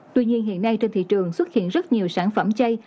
tuy nhiên hiện nay trên thị trường xuất hiện rất nhiều sản phẩm chay